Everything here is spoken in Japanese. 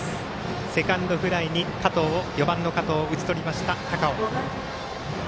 セカンドフライに４番の加藤を打ち取りました高尾。